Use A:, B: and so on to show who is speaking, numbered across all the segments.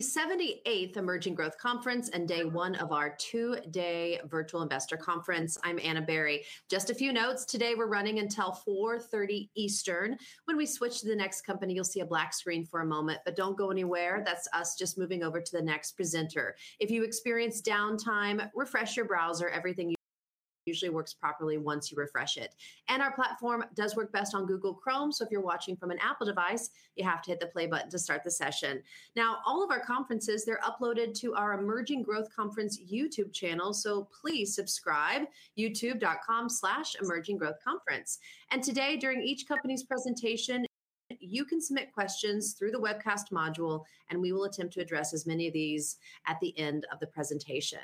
A: 78th Emerging Growth Conference and day one of our two-day virtual investor conference. I'm Ana Berry. Just a few notes. Today we're running until 4:30 P.M. Eastern. When we switch to the next company, you'll see a black screen for a moment, but don't go anywhere. That's us just moving over to the next presenter. If you experience downtime, refresh your browser. Everything usually works properly once you refresh it, and our platform does work best on Google Chrome, so if you're watching from an Apple device, you have to hit the play button to start the session. Now, all of our conferences, they're uploaded to our Emerging Growth Conference YouTube channel, so please subscribe: YouTube.com/EmergingGrowthConference, and today, during each company's presentation, you can submit questions through the webcast module, and we will attempt to address as many of these at the end of the presentation.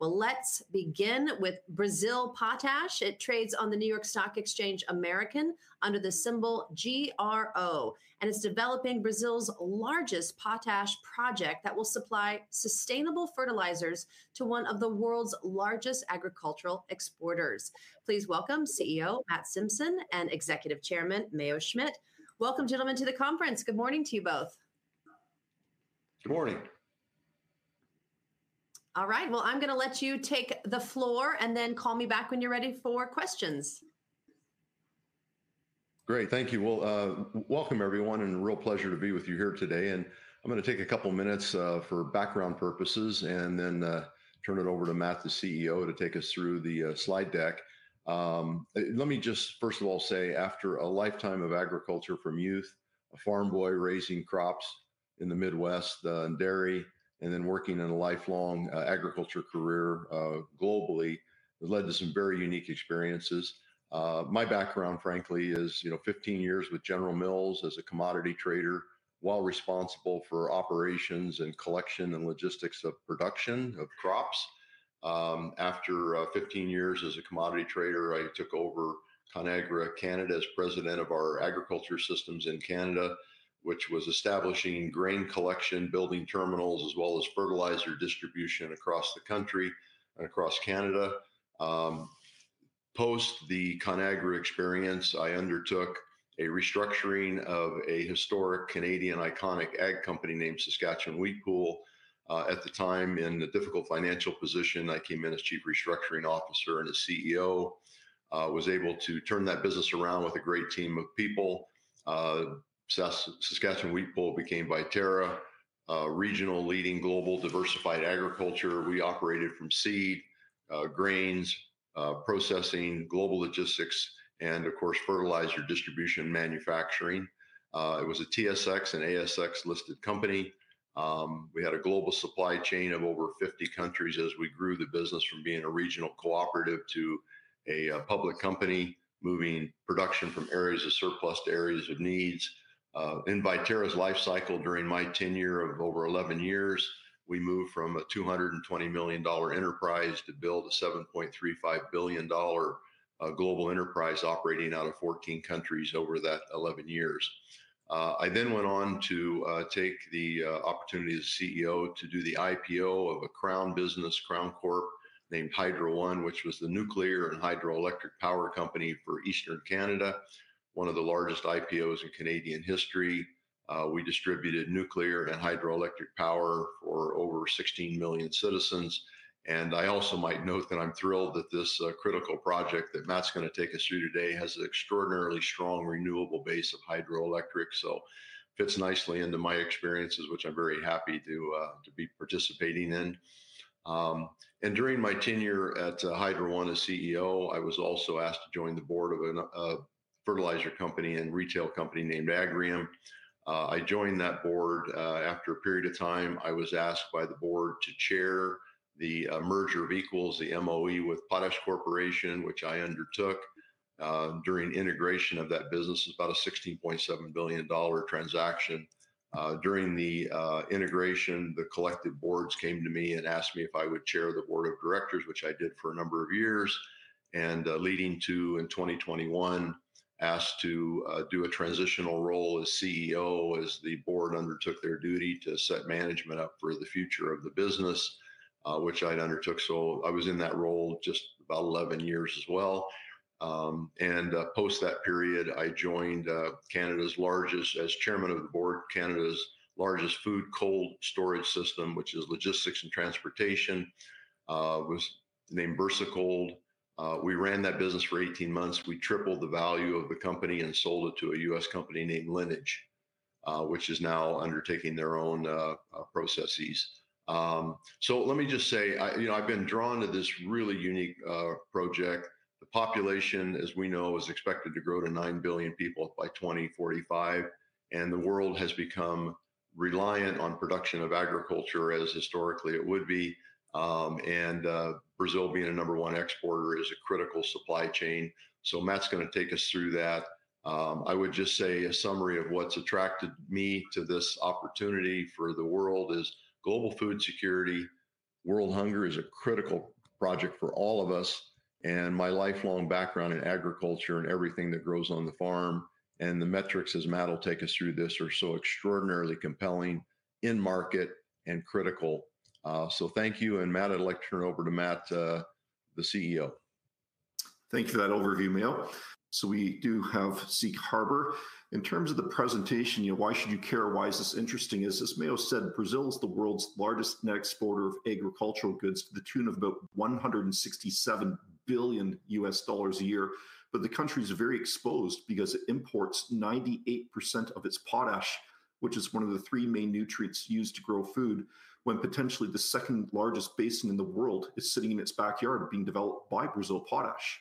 A: Let's begin with Brazil Potash. It trades on the New York Stock Exchange American under the symbol GRO, and it's developing Brazil's largest potash project that will supply sustainable fertilizers to one of the world's largest agricultural exporters. Please welcome CEO Matt Simpson and Executive Chairman Mayo Schmidt. Welcome, gentlemen, to the conference. Good morning to you both.
B: Good morning.
A: All right. Well, I'm going to let you take the floor and then call me back when you're ready for questions.
B: Great. Thank you. Well, welcome, everyone, and a real pleasure to be with you here today. And I'm going to take a couple of minutes for background purposes and then turn it over to Matt, the CEO, to take us through the slide deck. Let me just, first of all, say, after a lifetime of agriculture from youth, a farm boy raising crops in the Midwest and dairy, and then working in a lifelong agriculture career globally, led to some very unique experiences. My background, frankly, is 15 years with General Mills as a commodity trader while responsible for operations and collection and logistics of production of crops. After 15 years as a commodity trader, I took over Conagra Canada as President of our Agriculture Systems in Canada, which was establishing grain collection, building terminals, as well as fertilizer distribution across the country and across Canada. Post the Conagra experience, I undertook a restructuring of a historic Canadian iconic ag company named Saskatchewan Wheat Pool. At the time, in a difficult financial position, I came in as Chief Restructuring Officer and as CEO. I was able to turn that business around with a great team of people. Saskatchewan Wheat Pool became Viterra, regional leading global diversified agriculture. We operated from seed, grains, processing, global logistics, and, of course, fertilizer distribution manufacturing. It was a TSX and ASX-listed company. We had a global supply chain of over 50 countries as we grew the business from being a regional cooperative to a public company, moving production from areas of surplus to areas of needs. In Viterra's life cycle during my tenure of over 11 years, we moved from a $220 million enterprise to build a $7.35 billion global enterprise operating out of 14 countries over that 11 years. I then went on to take the opportunity as CEO to do the IPO of a Crown business, Crown Corp, named Hydro One, which was the nuclear and hydroelectric power company for Eastern Canada, one of the largest IPOs in Canadian history. We distributed nuclear and hydroelectric power for over 16 million citizens. And I also might note that I'm thrilled that this critical project that Matt's going to take us through today has an extraordinarily strong renewable base of hydroelectric, so it fits nicely into my experiences, which I'm very happy to be participating in. And during my tenure at Hydro One as CEO, I was also asked to join the board of a fertilizer company and retail company named Agrium. I joined that board. After a period of time, I was asked by the board to chair the merger of equals, the MOE with Potash Corporation, which I undertook during integration of that business, about a $16.7 billion transaction. During the integration, the collective boards came to me and asked me if I would chair the board of directors, which I did for a number of years, and leading to, in 2021, asked to do a transitional role as CEO as the board undertook their duty to set management up for the future of the business, which I undertook. So I was in that role just about 11 years as well. Post that period, I joined Canada's largest, as Chairman of the Board, Canada's largest food cold storage system, which is logistics and transportation, was named VersaCold. We ran that business for 18 months. We tripled the value of the company and sold it to a U.S. company named Lineage, which is now undertaking their own processes. So let me just say, you know, I've been drawn to this really unique project. The population, as we know, is expected to grow to nine billion people by 2045, and the world has become reliant on production of agriculture as historically it would be. And Brazil, being a number one exporter, is a critical supply chain. So Matt's going to take us through that. I would just say a summary of what's attracted me to this opportunity for the world is global food security. World hunger is a critical project for all of us. And my lifelong background in agriculture and everything that grows on the farm and the metrics, as Matt will take us through this, are so extraordinarily compelling in market and critical. So thank you. And Matt, I'd like to turn it over to Matt, the CEO.
C: Thank you for that overview, Mayo. So we do have Safe Harbor. In terms of the presentation, you know, why should you care? Why is this interesting? As Mayo said, Brazil is the world's largest net exporter of agricultural goods to the tune of about $167 billion a year. But the country is very exposed because it imports 98% of its potash, which is one of the three main nutrients used to grow food, when potentially the second largest basin in the world is sitting in its backyard being developed by Brazil Potash.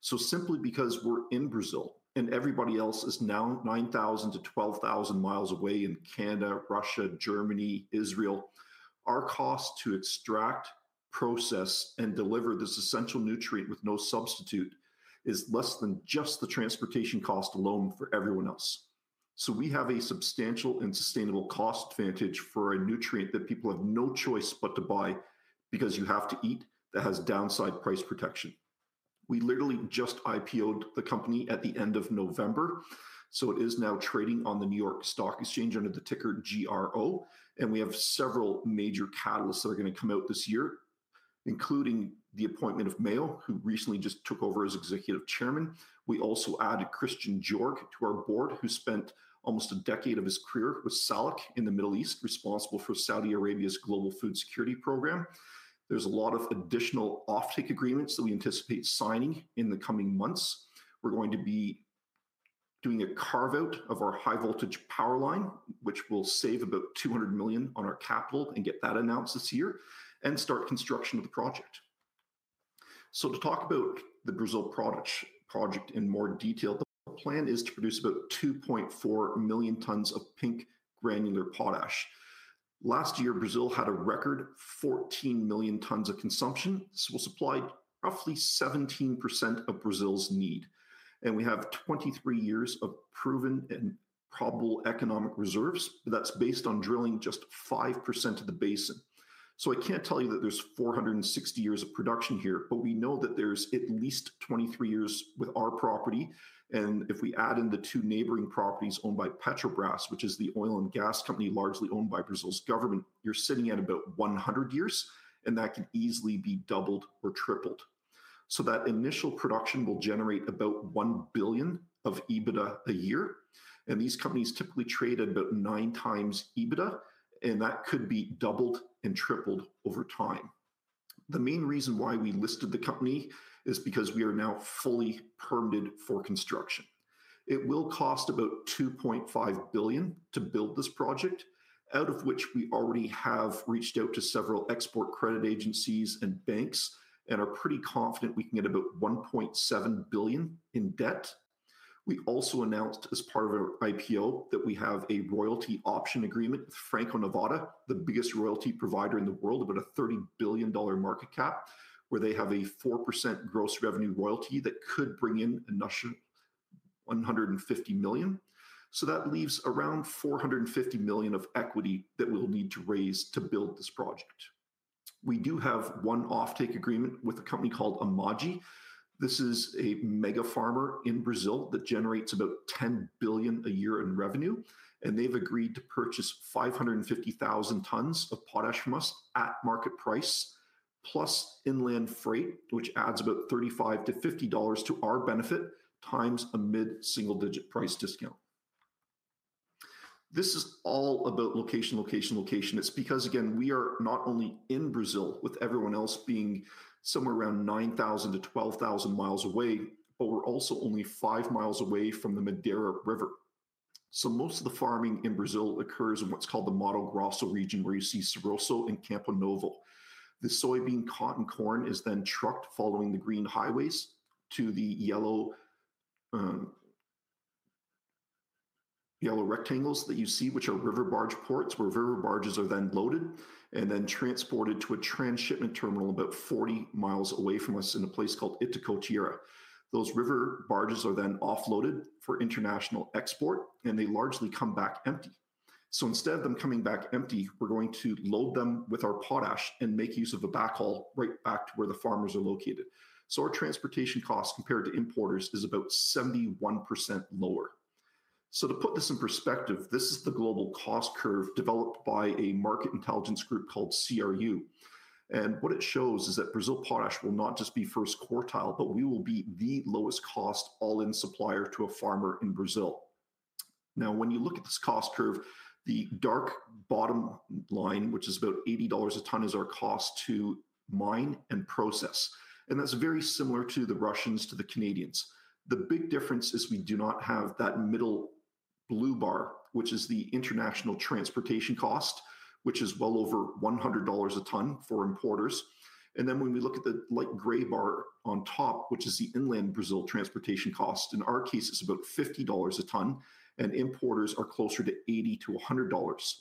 C: So simply because we're in Brazil and everybody else is now 9,000 mi-12,000 mi away in Canada, Russia, Germany, Israel, our cost to extract, process, and deliver this essential nutrient with no substitute is less than just the transportation cost alone for everyone else. So we have a substantial and sustainable cost advantage for a nutrient that people have no choice but to buy because you have to eat that has downside price protection. We literally just IPO'd the company at the end of November, so it is now trading on the New York Stock Exchange under the ticker GRO. We have several major catalysts that are going to come out this year, including the appointment of Mayo, who recently just took over as Executive Chairman. We also added Christian Joerg to our board, who spent almost a decade of his career with SALIC in the Middle East, responsible for Saudi Arabia's Global Food Security program. There's a lot of additional offtake agreements that we anticipate signing in the coming months. We're going to be doing a carve-out of our high-voltage power line, which will save about $200 million on our capital and get that announced this year, and start construction of the project. So to talk about the Brazil Potash project in more detail, the plan is to produce about 2.4 million tons of pink granular potash. Last year, Brazil had a record 14 million tons of consumption. This will supply roughly 17% of Brazil's need. And we have 23 years of proven and probable economic reserves, but that's based on drilling just 5% of the basin. So I can't tell you that there's 460 years of production here, but we know that there's at least 23 years with our property. If we add in the two neighboring properties owned by Petrobras, which is the oil and gas company largely owned by Brazil's government, you're sitting at about 100 years, and that can easily be doubled or tripled. So that initial production will generate about $1 billion of EBITDA a year. And these companies typically trade at about nine times EBITDA, and that could be doubled and tripled over time. The main reason why we listed the company is because we are now fully permitted for construction. It will cost about $2.5 billion to build this project, out of which we already have reached out to several export credit agencies and banks and are pretty confident we can get about $1.7 billion in debt. We also announced as part of our IPO that we have a royalty option agreement with Franco-Nevada, the biggest royalty provider in the world, about a $30 billion market cap, where they have a 4% gross revenue royalty that could bring in a nutshell of $150 million. So that leaves around $450 million of equity that we'll need to raise to build this project. We do have one offtake agreement with a company called AMAGGI. This is a mega farmer in Brazil that generates about $10 billion a year in revenue, and they've agreed to purchase 550,000 tons of potash must at market price, plus inland freight, which adds about $35-$50 to our benefit, times a mid-single-digit price discount. This is all about location, location, location. It's because, again, we are not only in Brazil with everyone else being somewhere around 9,000 mi-12,000 mi away, but we're also only 5 mi away from the Madeira River. So most of the farming in Brazil occurs in what's called the Mato Grosso region, where you see Sorriso and Campo Novo. The soybean, cotton, corn is then trucked following the green highways to the yellow rectangles that you see, which are river barge ports, where river barges are then loaded and then transported to a transshipment terminal about 40 mi away from us in a place called Itacoatiara. Those river barges are then offloaded for international export, and they largely come back empty. So instead of them coming back empty, we're going to load them with our potash and make use of a backhaul right back to where the farmers are located. Our transportation cost compared to importers is about 71% lower. To put this in perspective, this is the global cost curve developed by a market intelligence group called CRU. What it shows is that Brazil Potash will not just be first quartile, but we will be the lowest cost all-in supplier to a farmer in Brazil. Now, when you look at this cost curve, the dark bottom line, which is about $80 a ton, is our cost to mine and process. That's very similar to the Russians to the Canadians. The big difference is we do not have that middle blue bar, which is the international transportation cost, which is well over $100 a ton for importers. Then when we look at the light gray bar on top, which is the inland Brazil transportation cost, in our case, it's about $50 a ton, and importers are closer to $80-$100.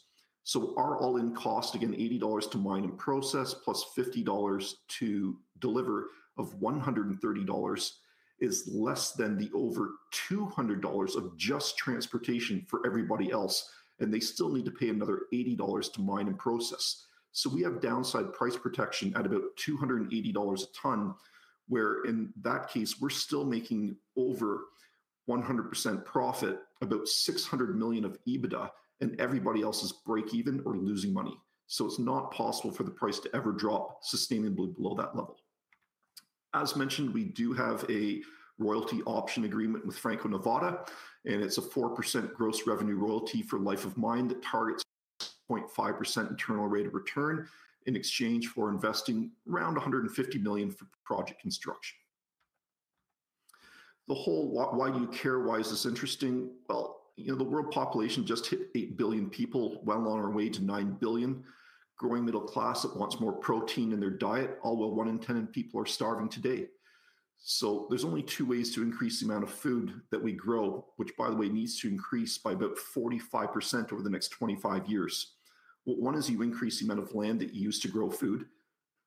C: So our all-in cost, again, $80 to mine and process, plus $50 to deliver of $130, is less than the over $200 of just transportation for everybody else, and they still need to pay another $80 to mine and process. So we have downside price protection at about $280 a ton, where in that case, we're still making over 100% profit, about $600 million of EBITDA, and everybody else is breakeven or losing money. So it's not possible for the price to ever drop sustainably below that level. As mentioned, we do have a royalty option agreement with Franco-Nevada, and it's a 4% gross revenue royalty for life of mine that targets 6.5% internal rate of return in exchange for investing around $150 million for project construction. The whole why do you care? Why is this interesting? Well, you know, the world population just hit 8 billion people, well on our way to 9 billion. Growing middle class that wants more protein in their diet, all while 1 in 10 people are starving today. So there's only two ways to increase the amount of food that we grow, which, by the way, needs to increase by about 45% over the next 25 years. What one is you increase the amount of land that you use to grow food,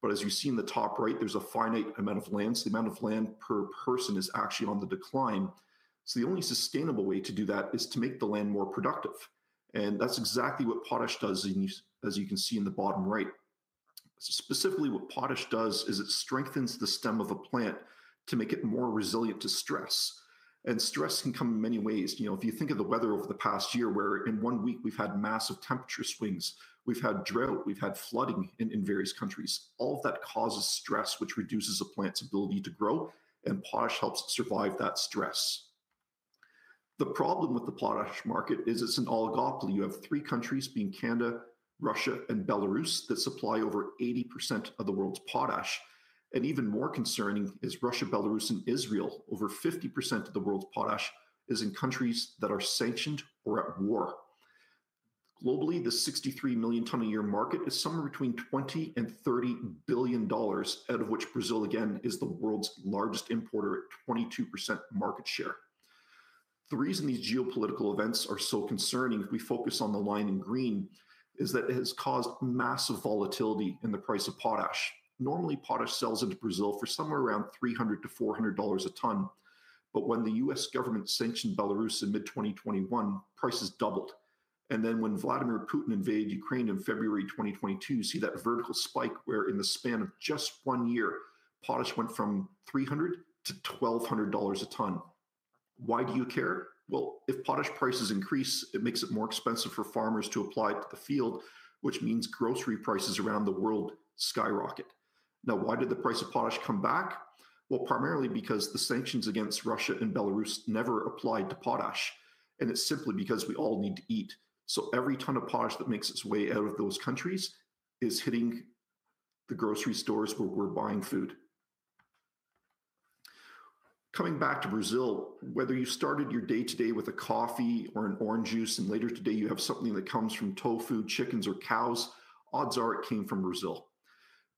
C: but as you see in the top right, there's a finite amount of land. So the amount of land per person is actually on the decline. So the only sustainable way to do that is to make the land more productive. And that's exactly what potash does, as you can see in the bottom right. Specifically, what potash does is it strengthens the stem of a plant to make it more resilient to stress. And stress can come in many ways. You know, if you think of the weather over the past year, where in one week we've had massive temperature swings, we've had drought, we've had flooding in various countries, all of that causes stress, which reduces a plant's ability to grow, and potash helps survive that stress. The problem with the potash market is it's an oligopoly. You have three countries, being Canada, Russia, and Belarus, that supply over 80% of the world's potash. Even more concerning is Russia, Belarus, and Israel. Over 50% of the world's potash is in countries that are sanctioned or at war. Globally, the 63 million tons a year market is somewhere between $20 billion-$30 billion, out of which Brazil, again, is the world's largest importer, 22% market share. The reason these geopolitical events are so concerning, if we focus on the line in green, is that it has caused massive volatility in the price of potash. Normally, potash sells into Brazil for somewhere around $300-$400 a ton. But when the U.S. government sanctioned Belarus in mid-2021, prices doubled. And then when Vladimir Putin invaded Ukraine in February 2022, you see that vertical spike where in the span of just one year, potash went from $300-$1,200 a ton. Why do you care? If potash prices increase, it makes it more expensive for farmers to apply to the field, which means grocery prices around the world skyrocket. Now, why did the price of potash come back? Primarily because the sanctions against Russia and Belarus never applied to potash, and it's simply because we all need to eat. Every ton of potash that makes its way out of those countries is hitting the grocery stores where we're buying food. Coming back to Brazil, whether you started your day today with a coffee or an orange juice and later today you have something that comes from tofu, chickens, or cows, odds are it came from Brazil.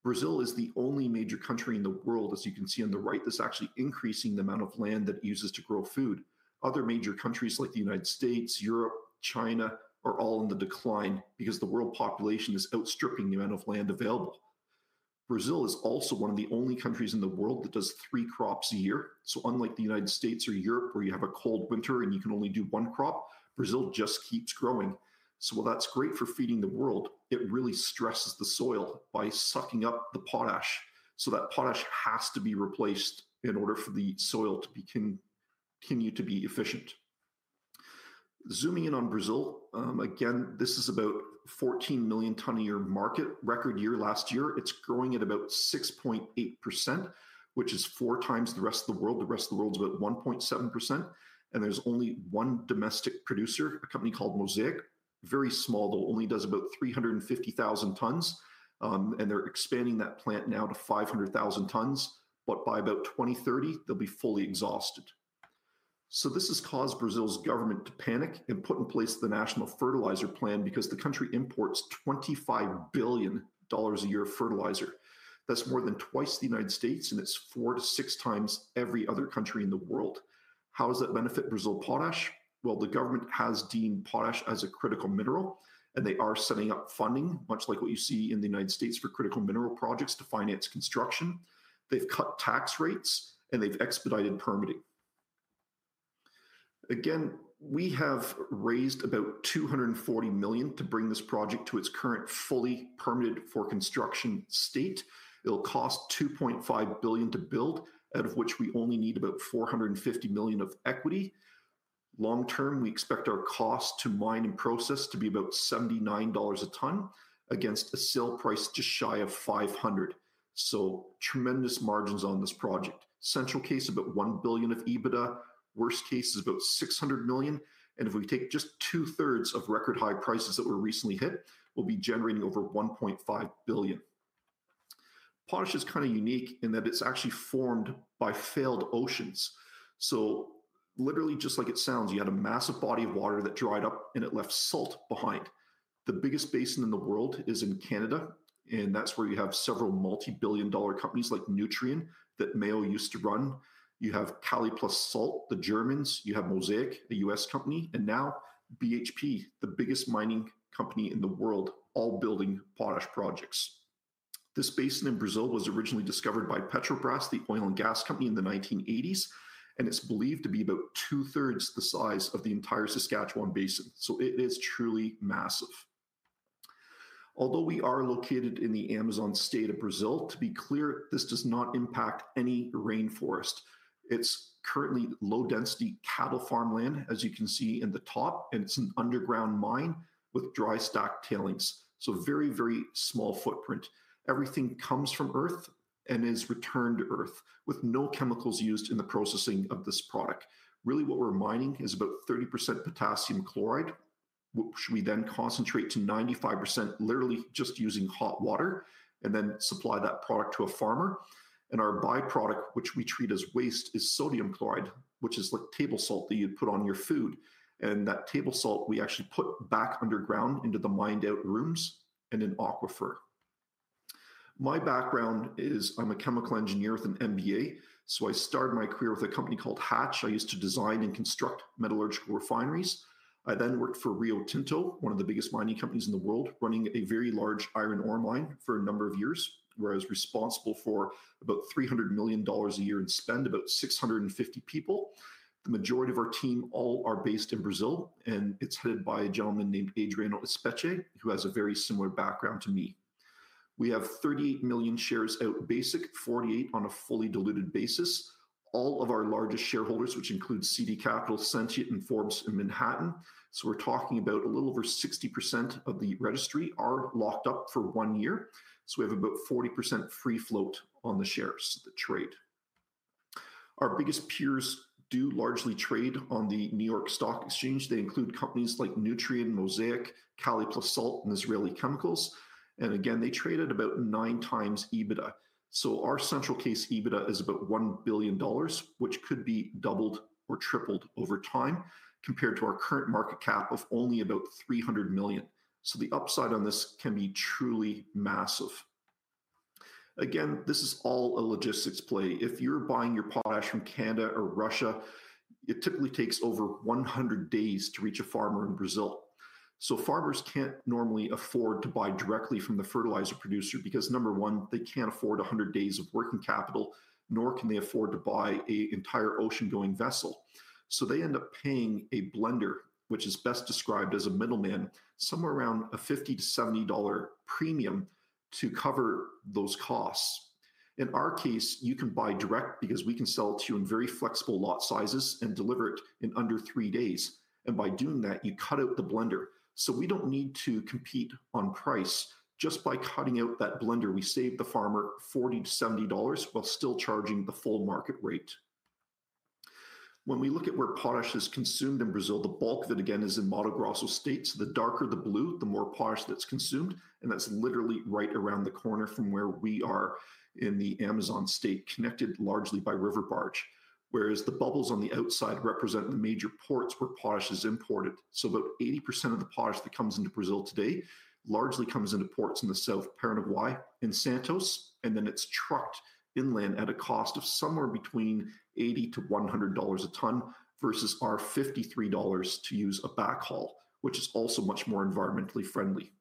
C: Brazil is the only major country in the world, as you can see on the right, that's actually increasing the amount of land that it uses to grow food. Other major countries like the United States, Europe, China are all in the decline because the world population is outstripping the amount of land available. Brazil is also one of the only countries in the world that does three crops a year. So unlike the United States or Europe, where you have a cold winter and you can only do one crop, Brazil just keeps growing. So while that's great for feeding the world, it really stresses the soil by sucking up the potash. So that potash has to be replaced in order for the soil to continue to be efficient. Zooming in on Brazil, again, this is about a 14-million-ton-a-year market, record year last year. It's growing at about 6.8%, which is four times the rest of the world. The rest of the world's about 1.7%, and there's only one domestic producer, a company called Mosaic. Very small, though, only does about 350,000 tons. And they're expanding that plant now to 500,000 tons. But by about 2030, they'll be fully exhausted. So this has caused Brazil's government to panic and put in place the National Fertilizer Plan because the country imports $25 billion a year of fertilizer. That's more than twice the United States, and it's four to six times every other country in the world. How does that benefit Brazil Potash? Well, the government has deemed potash as a critical mineral, and they are setting up funding, much like what you see in the United States for critical mineral projects to finance construction. They've cut tax rates, and they've expedited permitting. Again, we have raised about $240 million to bring this project to its current fully permitted for construction state. It'll cost $2.5 billion to build, out of which we only need about $450 million of equity. Long term, we expect our cost to mine and process to be about $79 a ton against a sale price just shy of $500. So tremendous margins on this project. Central case, about $1 billion of EBITDA. Worst case is about $600 million. And if we take just two-thirds of record high prices that were recently hit, we'll be generating over $1.5 billion. Potash is kind of unique in that it's actually formed by failed oceans. So literally, just like it sounds, you had a massive body of water that dried up, and it left salt behind. The biggest basin in the world is in Canada, and that's where you have several multi-billion dollar companies like Nutrien that Mayo used to run. You have K+S, the Germans. You have Mosaic, a U.S. company. And now BHP, the biggest mining company in the world, all building potash projects. This basin in Brazil was originally discovered by Petrobras, the oil and gas company, in the 1980s, and it's believed to be about two-thirds the size of the entire Saskatchewan Basin. So it is truly massive. Although we are located in the Amazon State of Brazil, to be clear, this does not impact any rainforest. It's currently low-density cattle farmland, as you can see in the top, and it's an underground mine with dry stacked tailings. So very, very small footprint. Everything comes from earth and is returned to earth with no chemicals used in the processing of this product. Really, what we're mining is about 30% potassium chloride, which we then concentrate to 95% literally just using hot water and then supply that product to a farmer. Our byproduct, which we treat as waste, is sodium chloride, which is like table salt that you'd put on your food. That table salt, we actually put back underground into the mined-out rooms and in aquifer. My background is I'm a Chemical Engineer with an MBA. I started my career with a company called Hatch. I used to design and construct metallurgical refineries. I then worked for Rio Tinto, one of the biggest mining companies in the world, running a very large iron ore mine for a number of years, where I was responsible for about $300 million a year in spend, about 650 people. The majority of our team all are based in Brazil, and it's headed by a gentleman named Adriano Espeschit, who has a very similar background to me. We have 38 million shares outstanding basic, 48 on a fully diluted basis. All of our largest shareholders, which include CD Capital, Sentient, and Forbes & Manhattan, so we're talking about a little over 60% of the registry, are locked up for one year. So we have about 40% free float on the shares, the trade. Our biggest peers do largely trade on the New York Stock Exchange. They include companies like Nutrien, Mosaic, K+S, and Israeli Chemicals. And again, they trade at about nine times EBITDA. So our central case EBITDA is about $1 billion, which could be doubled or tripled over time compared to our current market cap of only about $300 million. So the upside on this can be truly massive. Again, this is all a logistics play. If you're buying your potash from Canada or Russia, it typically takes over 100 days to reach a farmer in Brazil. So farmers can't normally afford to buy directly from the fertilizer producer because, number one, they can't afford 100 days of working capital, nor can they afford to buy an entire ocean-going vessel. So they end up paying a blender, which is best described as a middleman, somewhere around a $50-$70 premium to cover those costs. In our case, you can buy direct because we can sell it to you in very flexible lot sizes and deliver it in under three days. And by doing that, you cut out the blender. So we don't need to compete on price. Just by cutting out that blender, we save the farmer $40-$70 while still charging the full market rate. When we look at where potash is consumed in Brazil, the bulk of it, again, is in Mato Grosso states. The darker the blue, the more potash that's consumed, and that's literally right around the corner from where we are in the Amazon State, connected largely by river barge. Whereas the bubbles on the outside represent the major ports where potash is imported. So about 80% of the potash that comes into Brazil today largely comes into ports in the south, Paranaguá and Santos, and then it's trucked inland at a cost of somewhere between $80-$100 a ton versus our $53 to use a backhaul, which is also much more environmentally friendly.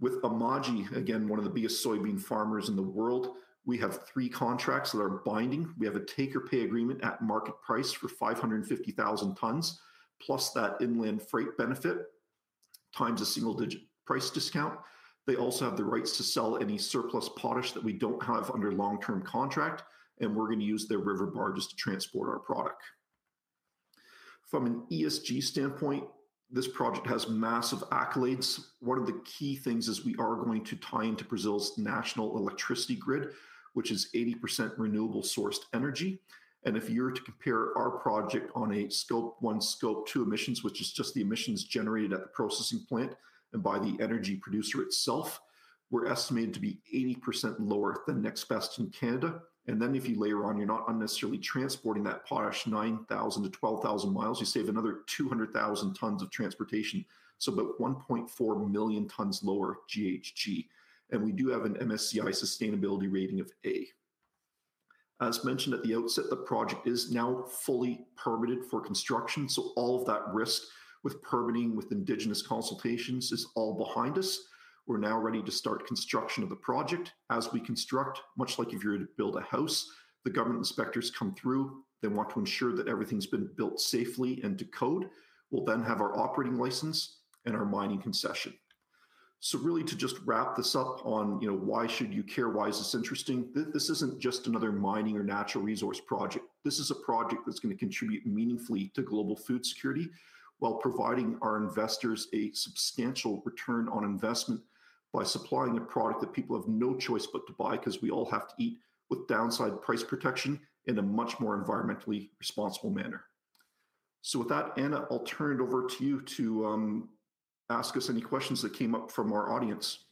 C: With AMAGGI, again, one of the biggest soybean farmers in the world, we have three contracts that are binding. We have a take-or-pay agreement at market price for 550,000 tons, plus that inland freight benefit times a single-digit price discount. They also have the rights to sell any surplus potash that we don't have under long-term contract, and we're going to use their river barge to transport our product. From an ESG standpoint, this project has massive accolades. One of the key things is we are going to tie into Brazil's national electricity grid, which is 80% renewable sourced energy, and if you were to compare our project on a Scope 1, Scope 2 emissions, which is just the emissions generated at the processing plant and by the energy producer itself, we're estimated to be 80% lower than the next best in Canada, and then if you layer on, you're not unnecessarily transporting that potash 9,000 mi-12,000 mi, you save another 200,000 tons of transportation, so about 1.4 million tons lower GHG, and we do have an MSCI sustainability rating of A. As mentioned at the outset, the project is now fully permitted for construction. So all of that risk with permitting with Indigenous consultations is all behind us. We're now ready to start construction of the project. As we construct, much like if you were to build a house, the government inspectors come through. They want to ensure that everything's been built safely and to code. We'll then have our operating license and our mining concession. So really, to just wrap this up on, you know, why should you care, why is this interesting? This isn't just another mining or natural resource project. This is a project that's going to contribute meaningfully to global food security while providing our investors a substantial return on investment by supplying a product that people have no choice but to buy, because we all have to eat, with downside price protection in a much more environmentally responsible manner, so with that, Ana, I'll turn it over to you to ask us any questions that came up from our audience.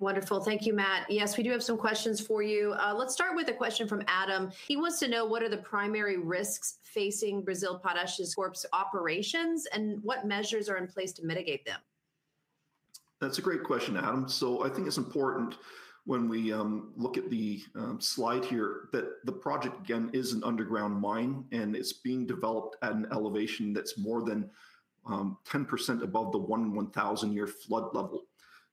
A: Wonderful. Thank you, Matt. Yes, we do have some questions for you. Let's start with a question from Adam. He wants to know what are the primary risks facing Brazil Potash's core operations and what measures are in place to mitigate them?
C: That's a great question, Adam. So I think it's important when we look at the slide here that the project, again, is an underground mine and it's being developed at an elevation that's more than 10% above the one in 1,000-year flood level.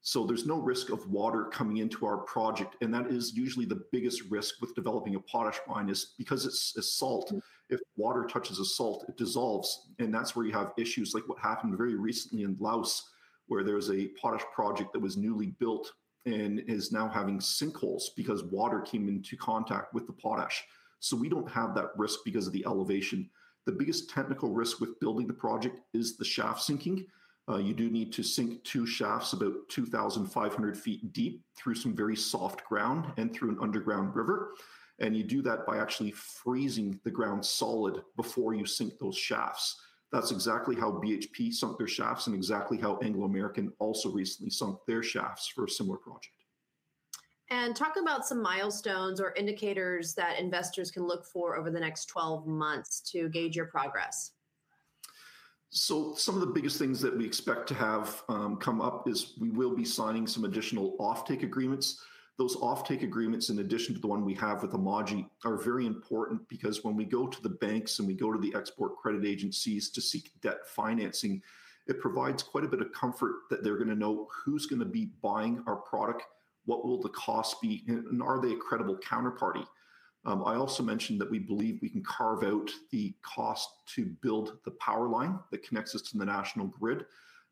C: So there's no risk of water coming into our project. And that is usually the biggest risk with developing a potash mine, because it's a salt. If water touches a salt, it dissolves. And that's where you have issues like what happened very recently in Laos, where there was a potash project that was newly built and is now having sinkholes because water came into contact with the potash. So we don't have that risk because of the elevation. The biggest technical risk with building the project is the shaft sinking. You do need to sink two shafts about 2,500 ft deep through some very soft ground and through an underground river, and you do that by actually freezing the ground solid before you sink those shafts. That's exactly how BHP sunk their shafts and exactly how Anglo American also recently sunk their shafts for a similar project.
A: Talk about some milestones or indicators that investors can look for over the next 12 months to gauge your progress.
C: Some of the biggest things that we expect to have come up is we will be signing some additional offtake agreements. Those offtake agreements, in addition to the one we have with AMAGGI, are very important because when we go to the banks and we go to the export credit agencies to seek debt financing, it provides quite a bit of comfort that they're going to know who's going to be buying our product, what will the cost be, and are they a credible counterparty. I also mentioned that we believe we can carve out the cost to build the power line that connects us to the national grid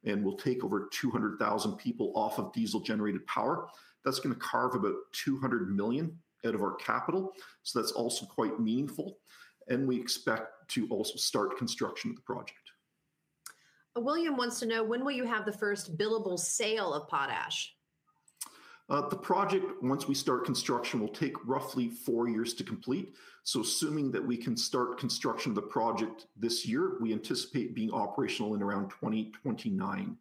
C: and will take over 200,000 people off of diesel-generated power. That's going to carve about $200 million out of our capital. So that's also quite meaningful. And we expect to also start construction of the project.
A: William wants to know, when will you have the first billable sale of potash?
C: The project, once we start construction, will take roughly four years to complete. So assuming that we can start construction of the project this year, we anticipate being operational in around 2029.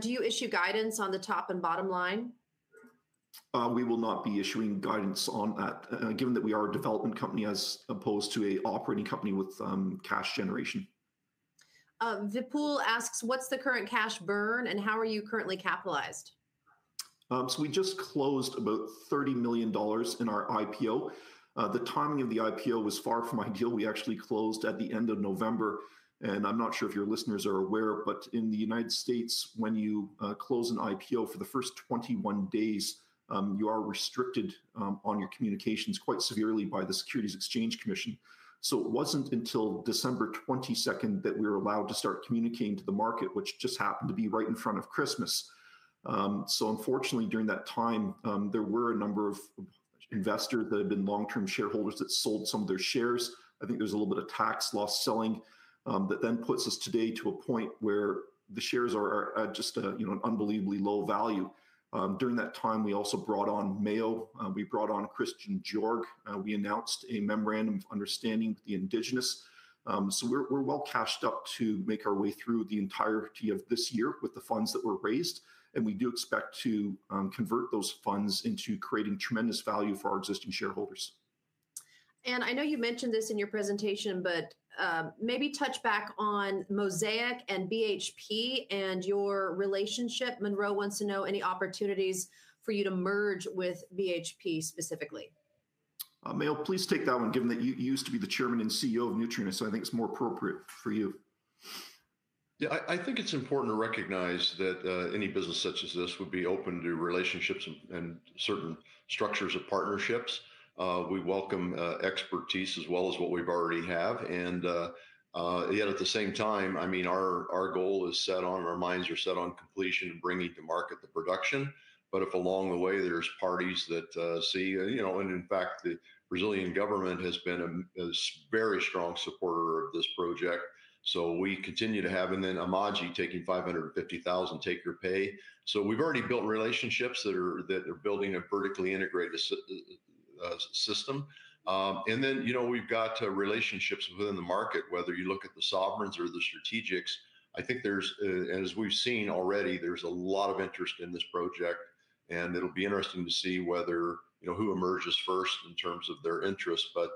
A: Do you issue guidance on the top and bottom line?
C: We will not be issuing guidance on that, given that we are a development company as opposed to an operating company with cash generation.
A: Vipul asks, what's the current cash burn and how are you currently capitalized?
C: We just closed about $30 million in our IPO. The timing of the IPO was far from ideal. We actually closed at the end of November. I'm not sure if your listeners are aware, but in the United States, when you close an IPO for the first 21 days, you are restricted on your communications quite severely by the Securities and Exchange Commission. It wasn't until December 22nd that we were allowed to start communicating to the market, which just happened to be right in front of Christmas. Unfortunately, during that time, there were a number of investors that had been long-term shareholders that sold some of their shares. I think there's a little bit of tax loss selling that then puts us today to a point where the shares are at just an unbelievably low value. During that time, we also brought on Mayo. We brought on Christian Joerg. We announced a memorandum of understanding with the indigenous, so we're well cashed up to make our way through the entirety of this year with the funds that were raised. And we do expect to convert those funds into creating tremendous value for our existing shareholders.
A: I know you mentioned this in your presentation, but maybe touch back on Mosaic and BHP and your relationship. Monroe wants to know any opportunities for you to merge with BHP specifically.
C: Mayo, please take that one, given that you used to be the Chairman and CEO of Nutrien, so I think it's more appropriate for you.
B: Yeah, I think it's important to recognize that any business such as this would be open to relationships and certain structures of partnerships. We welcome expertise as well as what we've already have. And yet at the same time, I mean, our goal is set on, our minds are set on completion and bringing to market the production. But if along the way there's parties that see, you know, and in fact, the Brazilian government has been a very strong supporter of this project. So we continue to have, and then AMAGGI taking 550,000 take-or-pay. So we've already built relationships that are building a vertically integrated system. And then, you know, we've got relationships within the market, whether you look at the sovereigns or the strategics. I think there's, as we've seen already, there's a lot of interest in this project. And it'll be interesting to see whether, you know, who emerges first in terms of their interest. But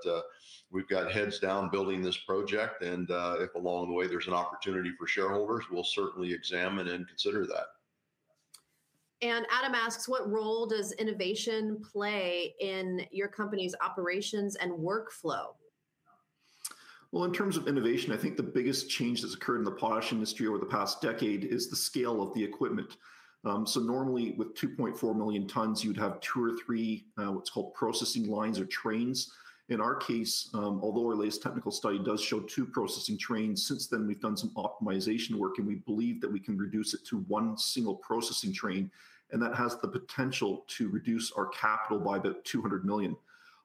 B: we've got heads down building this project. And if along the way there's an opportunity for shareholders, we'll certainly examine and consider that.
A: Adam asks, what role does innovation play in your company's operations and workflow?
C: In terms of innovation, I think the biggest change that's occurred in the potash industry over the past decade is the scale of the equipment. Normally with 2.4 million tons, you'd have two or three what's called processing lines or trains. In our case, although our latest technical study does show two processing trains, since then we've done some optimization work and we believe that we can reduce it to one single processing train. That has the potential to reduce our capital by about $200 million.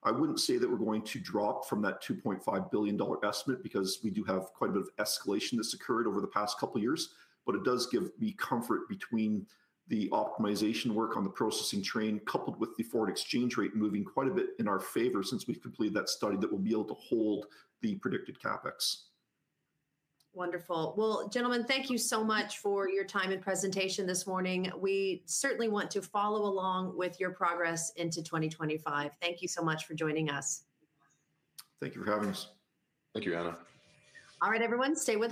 C: I wouldn't say that we're going to drop from that $2.5 billion estimate because we do have quite a bit of escalation that's occurred over the past couple of years. But it does give me comfort between the optimization work on the processing train coupled with the forward exchange rate moving quite a bit in our favor since we've completed that study that we'll be able to hold the predicted CapEx.
A: Wonderful. Well, gentlemen, thank you so much for your time and presentation this morning. We certainly want to follow along with your progress into 2025. Thank you so much for joining us.
C: Thank you for having us.
B: Thank you, Ana.
A: All right, everyone, stay well.